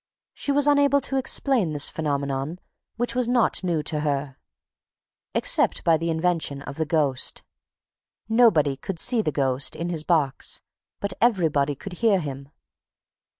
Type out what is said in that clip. She was unable to explain this phenomenon, which was not new to her, except by the intervention of the ghost. Nobody could see the ghost in his box, but everybody could hear him.